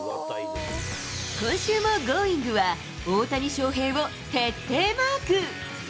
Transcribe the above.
今週もＧｏｉｎｇ！は、大谷翔平を徹底マーク。